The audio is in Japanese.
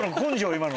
今の。